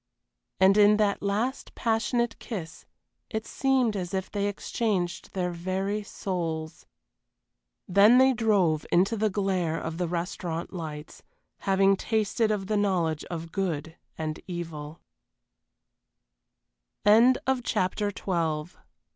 And in that last passionate kiss it seemed as if they exchanged their very souls. Then they drove into the glare of the restaurant lights, having tasted of the knowledge of good and evil. XIII "What have I done? What have I done?"